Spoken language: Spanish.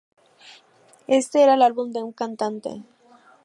Este era el álbum de un cantante".